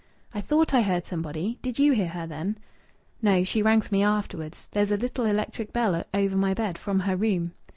"I thought I heard somebody. Did you hear her, then?" "No, she rang for me afterwards. There's a little electric bell over my bed, from her room."